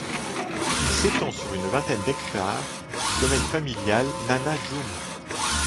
Il s'étend sur une vingtaine d'hectares du domaine familial Nana Djomou.